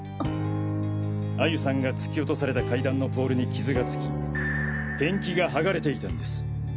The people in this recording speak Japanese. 愛由さんが突き落とされた階段のポールに傷がつきペンキがはがれていたんです。